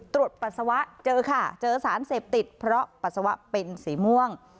ปัสสาวะเจอค่ะเจอสารเสพติดเพราะปัสสาวะเป็นสีม่วง